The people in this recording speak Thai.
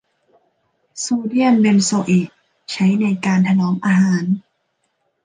โซเดียมเบนโซเอทใช้ในการถนอมอาหาร